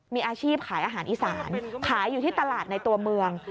มีอาชีพขายอาหารอีสานขายอยู่ที่ตลาดในตัวเมือง